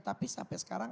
tapi sampai sekarang